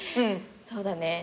そうだね。